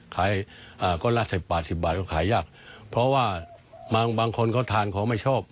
ก้อนละ๑๐๘๐บาทก็ขายยากเพราะว่าบางคนเขาทานของไม่ชอบ